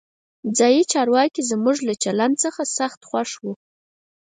ځایي چارواکي زموږ له چلند څخه سخت خوښ وو.